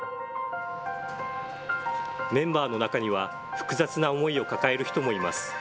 メンバーの中には複雑な思いを抱える人もいます。